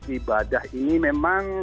ibadah ini memang